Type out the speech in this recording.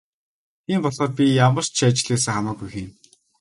Тийм болохоор би ямар ч ажил байсан хамаагүй хийнэ.